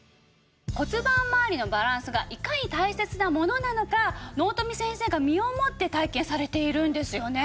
骨盤まわりのバランスがいかに大切なものなのか納富先生が身をもって体験されているんですよね。